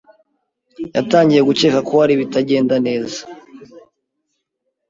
yatangiye gukeka ko hari ibitagenda neza.